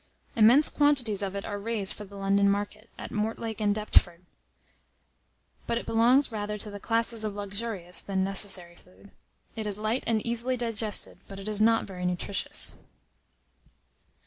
Immense quantities of it are raised for the London market, at Mortlake and Deptford; but it belongs rather to the classes of luxurious than necessary food. It is light and easily digested, but is not very nutritious.